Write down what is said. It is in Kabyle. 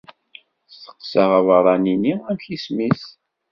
Steqsaɣ abeṛṛani-nni amek isem-is.